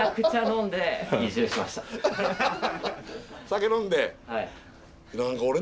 酒飲んで？